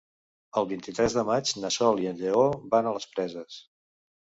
El vint-i-tres de maig na Sol i en Lleó van a les Preses.